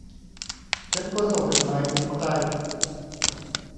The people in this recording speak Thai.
ฉันควรส่งจดหมายถึงใคร